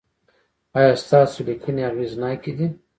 ایا ستاسو لیکنې اغیزناکې دي؟